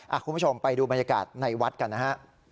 คุณผู้ชมไปดูบรรยากาศในวัดกันนะฮะ